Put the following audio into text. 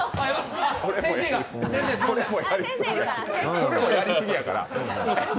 それもやりすぎやから。